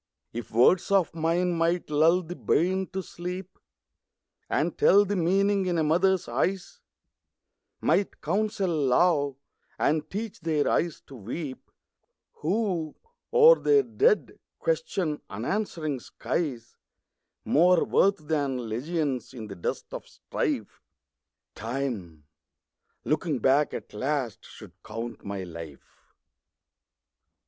If words of mine might lull the bairn to sleep, And tell the meaning in a mother's eyes; Might counsel love, and teach their eyes to weep Who, o'er their dead, question unanswering skies, More worth than legions in the dust of strife, Time, looking back at last, should count my life.